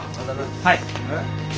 はい！